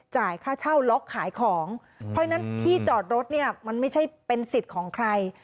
จ่ายค่าเช่าล็อกขายของเพราะฉะนั้นที่จอดรถเนี่ยมันไม่ใช่เป็นสิทธิ์ของใคร